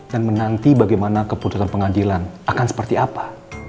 dan menanti bagaimana keputusan pengadilan akan seperti apa